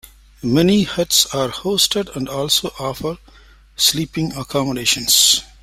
Many huts are hosted and also offer sleeping accommodations.